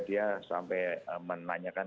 dia sampai menanyakan